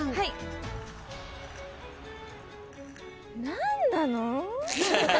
何なの？